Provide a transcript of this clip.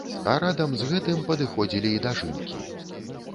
А радам з гэтым падыходзілі і дажынкі.